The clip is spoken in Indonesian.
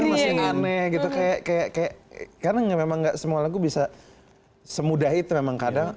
ini masih aneh gitu kayak kayak karena memang enggak semua lagu bisa semudah itu memang kadang